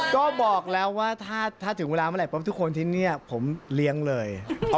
ก็บอกแล้วว่าถ้าถึงเวลาเมื่อไหรบทุกคนที่นี่ผมเลี้ยงเลย